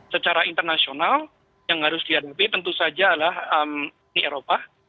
secara internasional yang harus dihadapi tentu saja adalah uni eropa